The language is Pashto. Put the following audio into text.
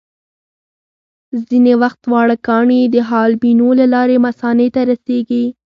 ځینې وخت واړه کاڼي د حالبینو له لارې مثانې ته رسېږي.